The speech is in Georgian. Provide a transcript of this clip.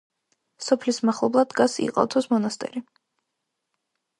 სოფლის მახლობლად დგას იყალთოს მონასტერი.